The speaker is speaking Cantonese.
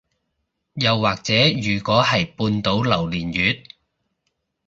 又或者如果係半島榴槤月